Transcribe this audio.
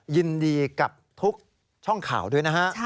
ยินดีกับทุกช่องข่าวด้วยนะฮะ